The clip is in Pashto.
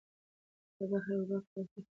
د بحر اوبه پورته کېږي.